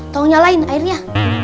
tunggu nyalain airnya